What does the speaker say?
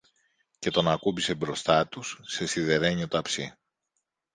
και τον ακούμπησε μπροστά τους, σε σιδερένιο ταψί.